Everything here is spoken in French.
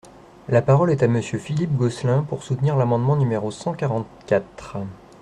La parole est à Monsieur Philippe Gosselin, pour soutenir l’amendement numéro cent quarante-quatre.